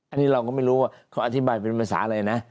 อันนี้เราก็ไม่รู้ว่าเขาอธิบายเป็นภาษาอะไรนะ